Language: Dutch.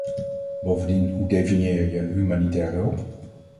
Bovendien, hoe definieer je "humanitaire hulp"?